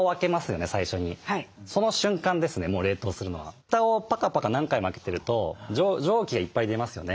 蓋をパカパカ何回も開けてると蒸気がいっぱい出ますよね。